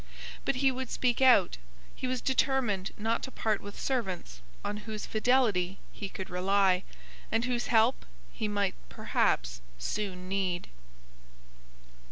But he would speak out. He was determined not to part with servants on whose fidelity he could rely, and whose help he might perhaps soon need.